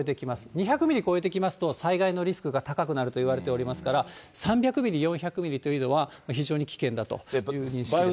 ２００ミリ超えてきますと、災害のリスクが高くなるといわれておりますから、３００ミリ、４００ミリというのは、非常に危険だという認識ですね。